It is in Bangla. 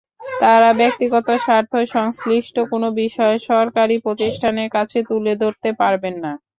তাঁরা ব্যক্তিগত স্বার্থ-সংশ্লিষ্ট কোনো বিষয় সরকারি প্রতিষ্ঠানের কাছে তুলে ধরতে পারবেন না।